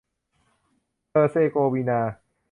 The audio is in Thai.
เฮอร์เซโกวีนา